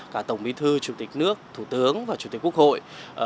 cả tổng bí thư chủ tịch nước thủ tướng và chủ tịch quốc hội